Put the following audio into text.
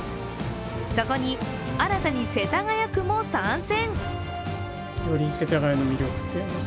そこに新たに世田谷区も参戦。